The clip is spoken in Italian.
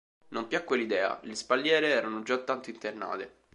Non piacque l'idea: le spalliere erano già tanto internate!